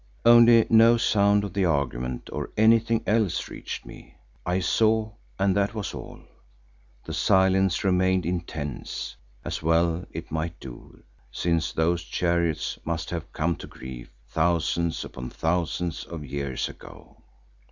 Only no sound of the argument or of anything else reached me. I saw, and that was all. The silence remained intense, as well it might do, since those chariots must have come to grief thousands upon thousands of years ago.